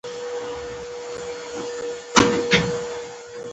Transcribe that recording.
هوا ډېره توده نه وه.